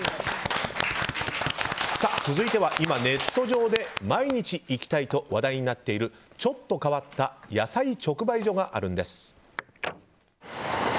続いては今、ネット上で毎日行きたいと話題になっているちょっと変わった野菜直売所があるんです。